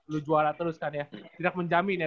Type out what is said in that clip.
lu juara terus kan ya tidak menjamin ya